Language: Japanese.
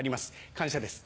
感謝です